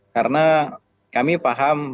karena kami paham